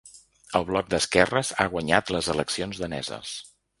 El bloc d’esquerres ha guanyat les eleccions daneses.